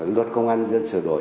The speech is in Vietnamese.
luật công an dân sửa đổi